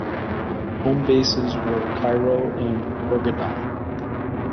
Homebases were Cairo and Hurghada.